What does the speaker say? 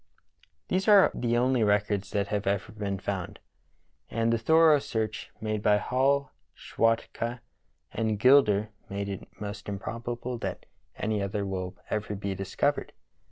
" These are the only records that have ever been found, and the thorough search made by Hall, Schwatka, and Gilder make it most improbable that any other will ever be discovered.